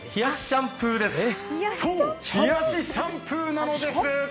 冷やしシャンプーです。